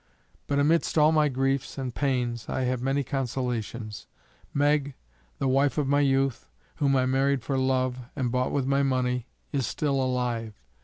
But amidst all my griefs and pains, I have many consolations; Meg, the wife of my youth, whom I married for love, and bought with my money, is still alive.